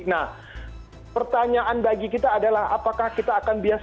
nah pertanyaan bagi kita adalah apakah kita akan biasa